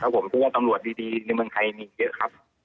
และผมคิดว่าตำรวจดีในเมืองไทยมีเยอะครับ